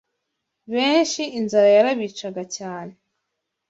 Benshi inzara yarabicaga cyane